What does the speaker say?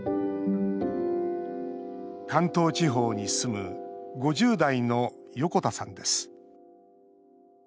関東地方に住む５０代の横田さんです。